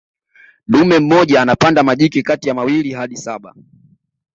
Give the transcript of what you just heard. dume mmoja anapanda majike kati ya mawili hadi saba